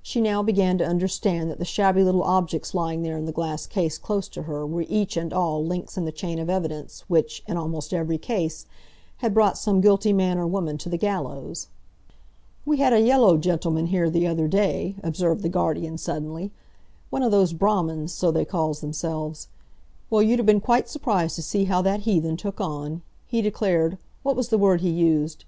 She now began to understand that the shabby little objects lying there in the glass case close to her were each and all links in the chain of evidence which, in almost every case, had brought some guilty man or woman to the gallows. "We had a yellow gentleman here the other day," observed the guardian suddenly; "one of those Brahmins—so they calls themselves. Well, you'd a been quite surprised to see how that heathen took on! He declared—what was the word he used?"